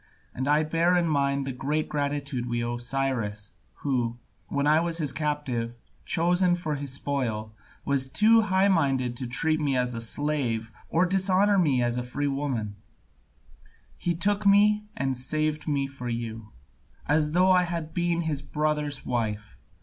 And I bear in mind the great gratitude we owe to Cyrus, who, when I was his captive, chosen for his spoil, was too high minded to treat me as a slave, or dishonour me as a free woman; he took me and saved me for you, as though I had been his brother's wife.